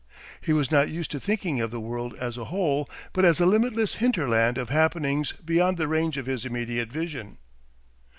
He was not used to thinking of the world as a whole, but as a limitless hinterland of happenings beyond the range of his immediate vision.